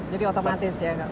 jadi otomatis ya